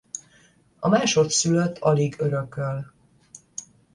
A másodszülött alig örököl.